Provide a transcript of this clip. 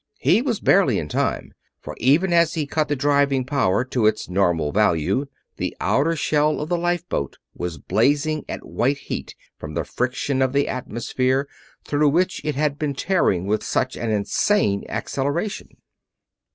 He was barely in time; for even as he cut the driving power to its normal value the outer shell of the lifeboat was blazing at white heat from the friction of the atmosphere through which it had been tearing with such an insane acceleration!